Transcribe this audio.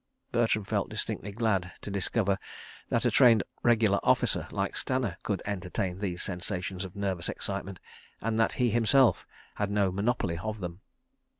..." Bertram felt distinctly glad to discover that a trained regular officer, like Stanner, could entertain these sensations of nervous excitement, and that he himself had no monopoly of them.